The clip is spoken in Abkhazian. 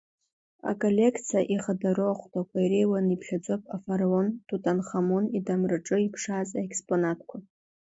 Аколлекциа ихадароу ахәҭақәа иреиуаны иԥхьаӡоуп афараон Тутанхамон идамраҿы иԥшааз аекспонатқәа.